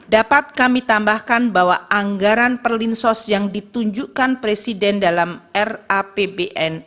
dapat kami tambahkan bahwa anggaran perlinsos yang ditunjukkan presiden dalam rapbn